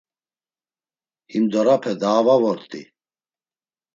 Himdorape daa va vort̆i.